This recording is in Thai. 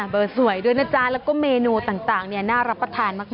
เบอร์สวยด้วยนะจ๊ะแล้วก็เมนูต่างเนี่ยน่ารับประทานมาก